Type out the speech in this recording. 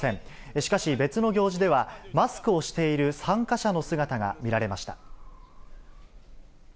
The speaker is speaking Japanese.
しかし、別の行事では、マスクをしている参加者の姿が見られました。